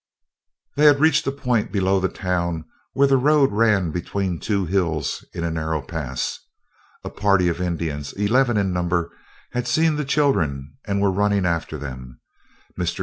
They had reached a point below the town, where the road ran between two hills in a narrow pass. A party of Indians, eleven in number, had seen the children and were running after them. Mr.